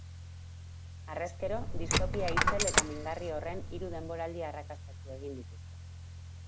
Harrezkero distopia itzel eta mingarri horren hiru denboraldi arrakastatsu egin dituzte.